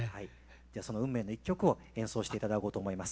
じゃその運命の一曲を演奏していただこうと思います。